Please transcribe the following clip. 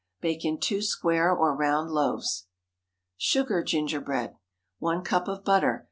Bake in two square or round loaves. SUGAR GINGERBREAD. 1 cup of butter.